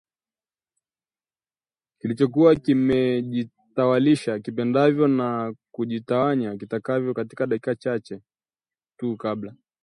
kilichokuwa kimejitawalisha kipendavyo na kujitawanya kitakavyo dakika chache tu kabla